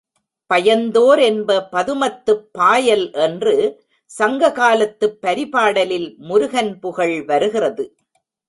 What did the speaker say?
பயந்தோர் என்ப பதுமத்துப் பாயல் என்று சங்ககாலத்துப் பரிபாடலில் முருகன் புகழ் வருகிறது.